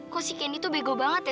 kok si kendi tuh bego banget ya